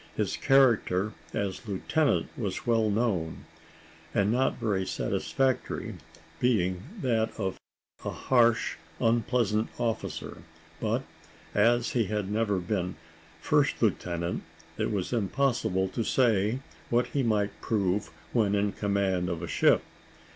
His character as lieutenant was well known, and not very satisfactory, being that of a harsh, unpleasant officer; but, as he had never been first lieutenant, it was impossible to say what he might prove when in command of a ship.